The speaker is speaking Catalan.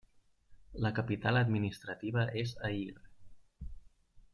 La capital administrativa és Ayr.